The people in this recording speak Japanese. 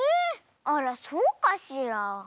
あらそうかしら。